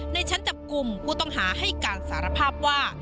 ในชั้นจับกลุ่มผู้ต้องหาให้การสารภาพว่า